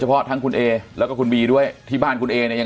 เพราะทั้งคุณเอแล้วก็คุณบีด้วยที่บ้านคุณเอเนี่ยยัง